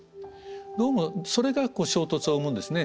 どうもそれが衝突を生むんですね。